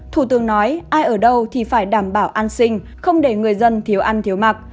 thủ tướng nói ai ở đâu thì phải đảm bảo an sinh không để người dân thiếu ăn thiếu mặc